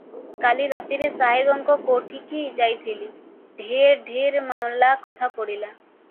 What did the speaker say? କାଲି ରାତିରେ ସାହେବଙ୍କ କୋଠିକି ଯାଇଥିଲି, ଢେର ଢେର ମାମଲା କଥା ପଡ଼ିଲା ।